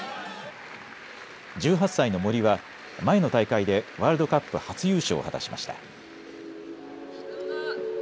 １８歳の森は前の大会でワールドカップ初優勝を果たしました。